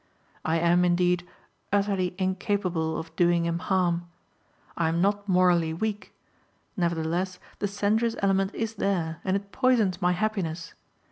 I am, indeed, utterly incapable of doing him harm; I am not morally weak; nevertheless the sensuous element is there, and it poisons my happiness.